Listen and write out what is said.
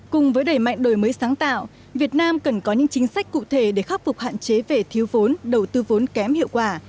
cùng với đẩy mạnh đổi mới sáng tạo việt nam cần có những chính sách cụ thể để khắc phục hạn chế về thiếu vốn đầu tư vốn kém hiệu quả